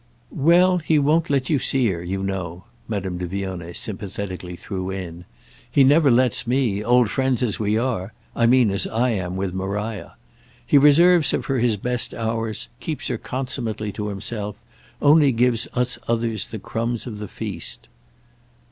"Well, he won't let you see her, you know," Madame de Vionnet sympathetically threw in. "He never lets me—old friends as we are: I mean as I am with Maria. He reserves her for his best hours; keeps her consummately to himself; only gives us others the crumbs of the feast."